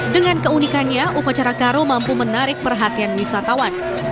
dengan keunikannya upacara karo mampu menarik perhatian wisatawan